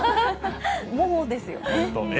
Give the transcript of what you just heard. もうですよね。